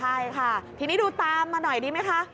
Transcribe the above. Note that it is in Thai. ใช่ค่ะทีนี้ดูตามมาหน่อยดีไหมคะ